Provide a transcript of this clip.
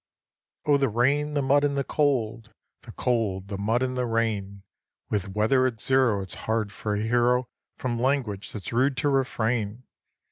Oh, the rain, the mud, and the cold, The cold, the mud, and the rain; With weather at zero it's hard for a hero From language that's rude to refrain.